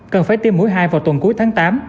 cần phải tiêm mũi hai vào tuần cuối tháng tám